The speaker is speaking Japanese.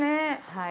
はい。